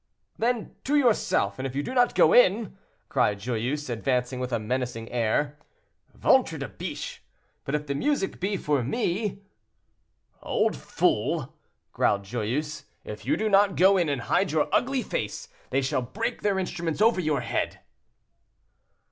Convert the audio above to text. "Then to yourself, and if you do not go in—" cried Joyeuse, advancing with a menacing air. "Ventre de biche! but if the music be for me—" "Old fool!" growled Joyeuse. "If you do not go in and hide your ugly face they shall break their instruments over your head."